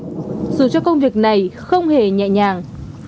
dù cho công việc này không hề nhẹ nhàng